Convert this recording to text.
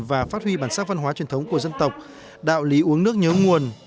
và phát huy bản sắc văn hóa truyền thống của dân tộc đạo lý uống nước nhớ nguồn